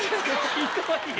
ひどいよ。